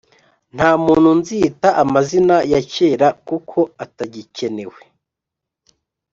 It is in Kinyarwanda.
nta muntu nzita amazina yak era kuko atagi kenewe